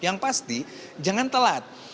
yang pasti jangan telat